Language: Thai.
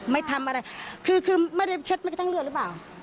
ไม่ทำอะไรคือคือไม่ได้เช็ดไม่กระทั่งเลือดหรือเปล่า